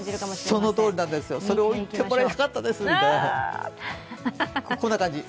そのとおりなんですよ、それを言ってもらいたかったです！